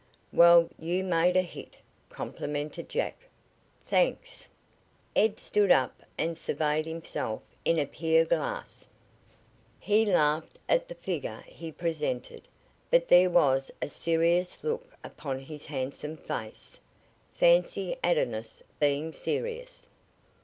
"Well, you made a hit," complimented Jack. "Thanks." Ed stood up and surveyed himself in a pier glass. He laughed at the figure he presented, but there was a serious look upon his handsome face. Fancy Adonis being serious!